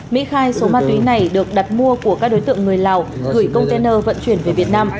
mỹ khai số ma túy này được đặt mua của các đối tượng người lào gửi container vận chuyển về việt nam